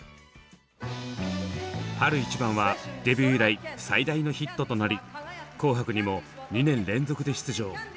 「春一番」はデビュー以来最大のヒットとなり「紅白」にも２年連続で出場。